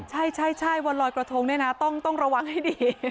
ใช่วันลอยกระทงเนี่ยนะต้องระวังให้ดี